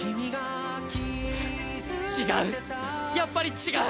違う！